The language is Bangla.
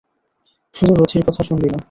শুধু রথির কথা শুনবি না।